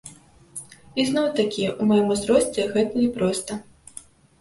І зноў-такі ў маім узросце гэта няпроста.